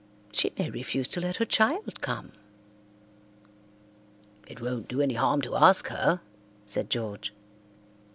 She may refuse to let her child come." "It won't do any harm to ask her," said George.